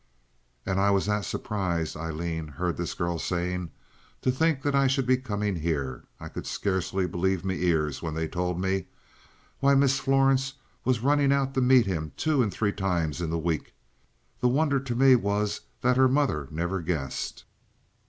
"And I was that surprised," Aileen heard this girl saying, "to think I should be coming here. I cud scarcely believe me ears when they told me. Why, Miss Florence was runnin' out to meet him two and three times in the week. The wonder to me was that her mother never guessed."